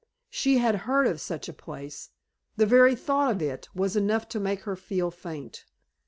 She had heard of such a place; the very thought of it was enough to make her feel faint.